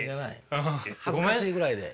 恥ずかしいぐらいで。